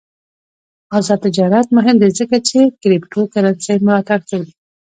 آزاد تجارت مهم دی ځکه چې کریپټو کرنسي ملاتړ کوي.